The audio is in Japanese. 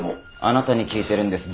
あなたに聞いてるんです。